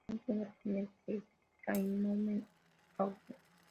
Al menos uno de la familia llevó el praenomen Aulo.